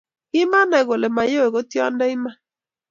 Kimanai Ole mayowe ko tiondo iman